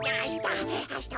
あした。